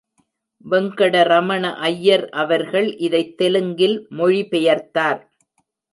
வெங்கடரமண ஐயர் அவர்கள் இதைத் தெலுங்கில் மொழி பெயர்த்தார்.